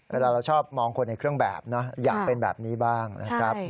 เราชอบมองคนในเครื่องแบบนะอยากเป็นแบบนี้บ้างนะครับ